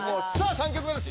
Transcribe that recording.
３曲目です